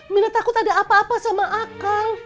mina takut ada apa apa sama akang